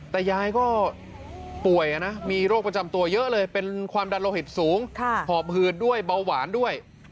แต่ยายก็ป่วยนะมีโรคประจำตัวเยอะเลยเป็นความดันโลหิตสูงหอบหืดด้วยเบาหวานด้วย